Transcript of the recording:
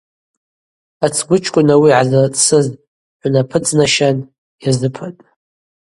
Ацгвычкӏвын ауи гӏазырцӏсыз хӏвынапыдзнащан йазыпатӏ.